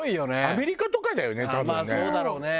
アメリカとかだよね多分ね。